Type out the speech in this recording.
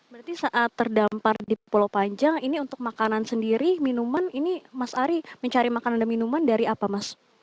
berarti saat terdampar di pulau panjang ini untuk makanan sendiri minuman ini mas ari mencari makanan dan minuman dari apa mas